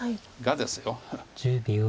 がですよ。